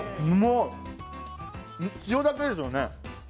塩だけですよね。